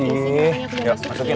iya ini aku udah masukin